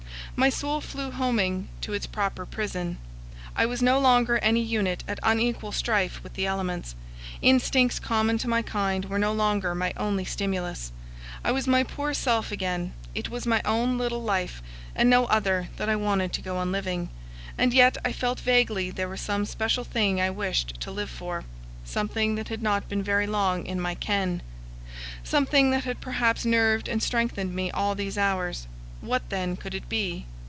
My soul flew homing to its proper prison. I was no longer any unit at unequal strife with the elements; instincts common to my kind were no longer my only stimulus. I was my poor self again; it was my own little life, and no other, that I wanted to go on living; and yet I felt vaguely there was some special thing I wished to live for, something that had not been very long in my ken; something that had perhaps nerved and strengthened me all these hours. What, then, could it be?